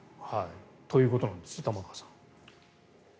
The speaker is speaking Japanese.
ということなんです玉川さん。